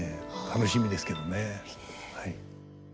楽しみですけどね。